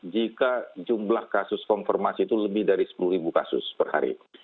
jika jumlah kasus konfirmasi itu lebih dari sepuluh kasus per hari